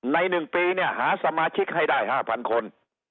ใน๑ปีเนี่ยหาสมาชิกให้ได้๕๐๐คน